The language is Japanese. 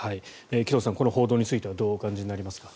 紀藤さんこの報道についてはどうお感じになりますか。